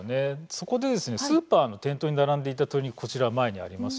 そこでですねスーパーの店頭に並んでいた鶏肉こちら前にあります。